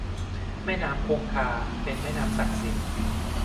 แม่น้ำคงคา เป็นแม่น้ำศักดิ์สิทธิ์